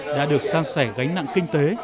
đã được san sẻ gánh nặng kinh tế